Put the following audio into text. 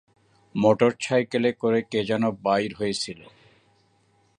মোটরসাইকেলে করে কে যেন বাইর হইসিল।